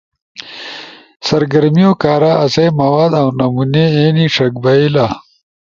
سرگرمیو کارا آسئی مواد اؤ نمونے اینی ݜک بئیلا